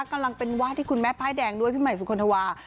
กำลังเป็นวาดที่คุณแม่ป้ายแดงด้วยพี่ใหม่สุคลธวา